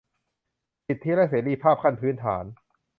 สิทธิและเสรีภาพขั้นพื้นฐาน